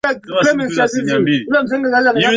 ngono ya mdomo haina athari yoyote dhidi ya ukimwi